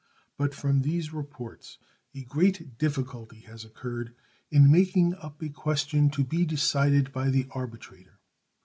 But from these reports a great difficulty has occurred in making up a question to be decided by the arbitrator.